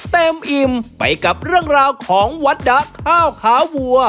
อิ่มไปกับเรื่องราวของวัดดะข้าวขาวัว